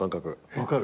分かる？